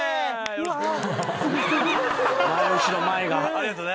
ありがとね。